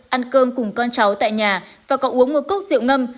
ăn cơm cùng con cháu tại nhà và còn uống một cốc rượu ngâm